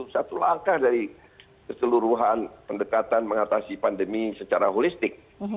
satu langkah dari keseluruhan pendekatan mengatasi pandemi secara holistik